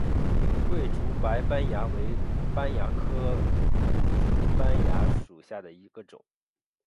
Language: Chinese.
桂竹白斑蚜为斑蚜科凸唇斑蚜属下的一个种。